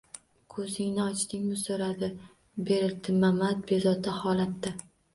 -Ko’zini ochdimi? – so’radi Berdimamat bezovta holatda.